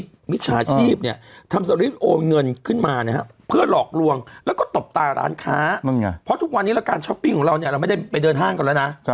สิ่งของเราเนี่ยเราไม่ได้ไปเดินห้างกันแล้วนะ